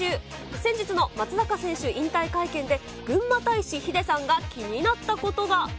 先日の松坂選手引退会見で、ぐんま大使ヒデさんが気になったことが。